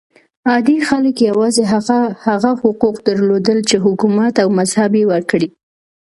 عادي خلک یوازې هغه حقوق درلودل چې حکومت او مذهب یې ورکړي.